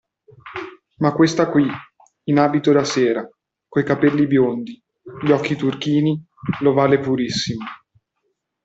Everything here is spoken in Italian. Ma questa qui, in abito da sera, coi capelli biondi, gli occhi turchini, l'ovale purissimo.